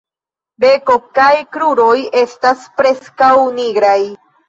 Beko kaj kruroj estas preskaŭ nigraj.